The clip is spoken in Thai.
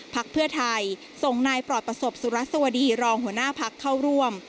พักเพื่อไทยส่งนายปลอดประสบสุรัสวดีรองหัวหน้าพักเข้าร่วม